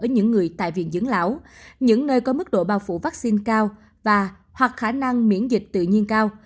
những nơi có mức độ bao phủ vaccine cao và hoặc khả năng miễn dịch tự nhiên cao